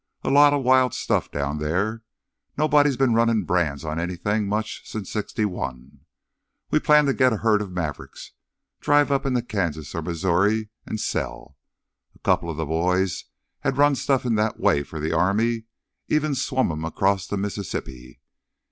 A lotta wild stuff down there—nobody's been runnin' brands on anythin' much since '61. We planned to get a herd of mavericks, drive up into Kansas or Missouri, an' sell. A couple of th' boys had run stuff in that way for th' army, even swum 'em across the Mississippi.